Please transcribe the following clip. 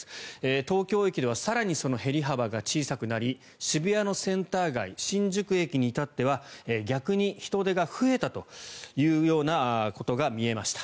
東京駅では更にその減り幅が小さくなり渋谷センター街新宿駅に至っては逆に人出が増えたというようなことが見えました。